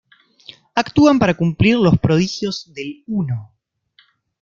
Actúan para cumplir los prodigios del Uno.